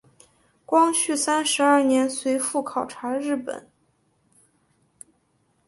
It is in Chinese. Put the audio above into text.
光绪三十二年随父考察日本。